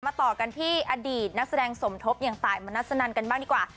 ต่อกันที่อดีตนักแสดงสมทบอย่างตายมนัสนันกันบ้างดีกว่า